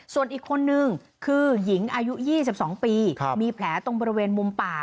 ส่วนอีกคนนึงคือหญิงอายุ๒๒ปีมีแผลตรงบริเวณมุมปาก